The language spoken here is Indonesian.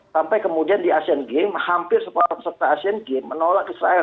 sampai kemudian di asean games hampir semua peserta asian games menolak israel